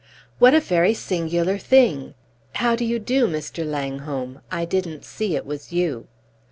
"What a very singular thing! How do you do, Mr. Langholm? I didn't see it was you."